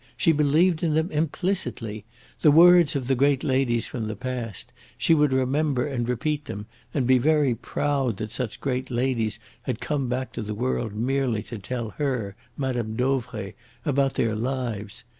She believed in them implicitly. The words of the great ladies from the past she would remember and repeat them, and be very proud that such great ladies had come back to the world merely to tell her Mme. Dauvray about their lives.